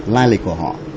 lai lịch của họ